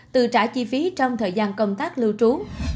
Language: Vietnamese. từ trả chi phí trong thời gian công tác lưu trú